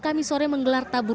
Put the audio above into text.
kami sore menggelar tanggal ini